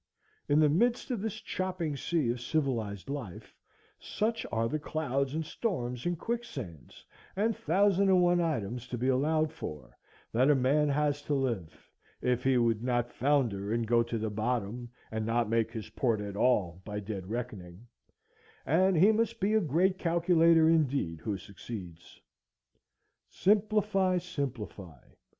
In the midst of this chopping sea of civilized life, such are the clouds and storms and quicksands and thousand and one items to be allowed for, that a man has to live, if he would not founder and go to the bottom and not make his port at all, by dead reckoning, and he must be a great calculator indeed who succeeds. Simplify, simplify.